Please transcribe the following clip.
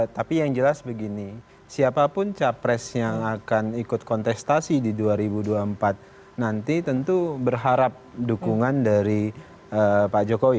tapi yang jelas begini siapapun capres yang akan ikut kontestasi di dua ribu dua puluh empat nanti tentu berharap dukungan dari pak jokowi